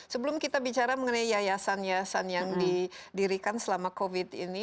sebelum kita bicara mengenai yayasan yayasan yang didirikan selama covid ini